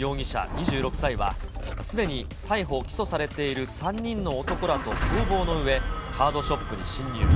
２６歳は、すでに逮捕・起訴されている３人の男らと共謀のうえ、カードショップに侵入。